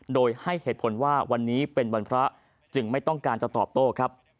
โดยให้เหตุผลว่าวันนี้เป็นวันพระจึงไม่ต้องการจะตอบโต้ครับ